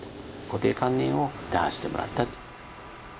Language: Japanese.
固定観念を打破してもらった。